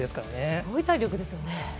すごい体力ですよね。